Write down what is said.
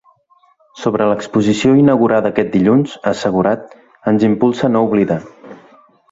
Sobre l’exposició inaugurada aquest dilluns, ha assegurat: Ens impulsa a no oblidar.